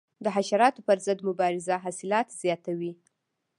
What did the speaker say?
د حشراتو پر ضد مبارزه حاصلات زیاتوي.